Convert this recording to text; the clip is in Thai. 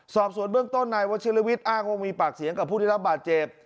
สอบสวนเบื้องต้นนายวัชิลวิทย์อ้างว่ามีปากเสียงกับผู้ได้รับบาดเจ็บ